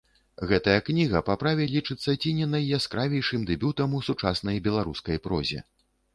Гэтая кніга па праве лічыцца ці не найяскравейшым дэбютам у сучаснай беларускай прозе.